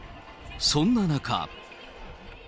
そんな中。